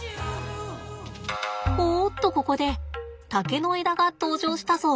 おっとここで竹の枝が登場したぞ。